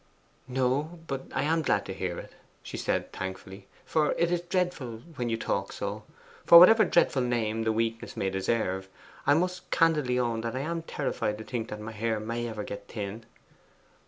'No; but I am glad to hear it,' she said thankfully. 'For it is dreadful when you talk so. For whatever dreadful name the weakness may deserve, I must candidly own that I am terrified to think my hair may ever get thin.